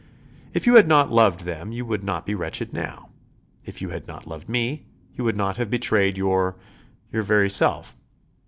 If you had not loved them you would not be wretched now; if you had not loved me you would not have betrayed your your very self.